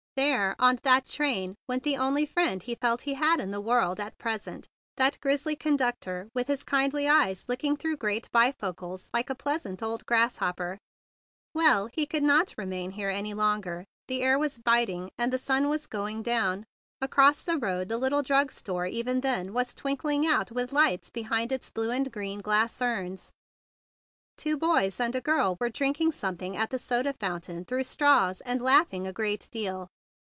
There on that train went the only friend he felt he had in the world at present, that grizzly con¬ ductor with his kindly eyes looking through great bifocals like a pleasant old grasshopper. s 34 THE BIG BLUE SOLDIER Well, he could not remain here any longer. The air was biting, and the sun was going down. Across the road the little drug store even then was twink¬ ling out with lights behind its blue and green glass urns. Two boys and a girl were drinking something at the soda fountain through straws, and laughing a great deal.